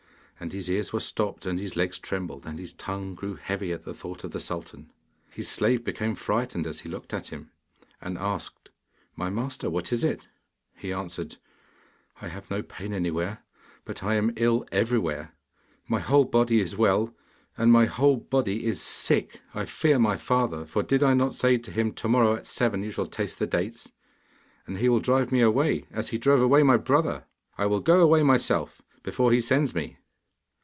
And his ears were stopped, and his legs trembled, and his tongue grew heavy at the thought of the sultan. His slave became frightened as he looked at him, and asked, 'My master, what is it?' He answered, 'I have no pain anywhere, but I am ill everywhere. My whole body is well, and my whole body is sick I fear my father, for did I not say to him, "To morrow at seven you shall taste the dates"? And he will drive me away, as he drove away my brother! I will go away myself, before he sends me.